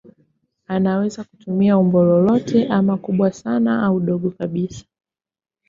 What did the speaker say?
Anaweza kutumia umbo lolote ama kubwa sana au dogo kabisa.